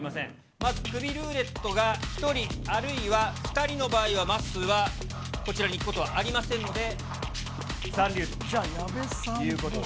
まずクビルーレットが、１人あるいは２人の場合は、まっすーはこちらに行くことはありませんので、じゃあ矢部さん。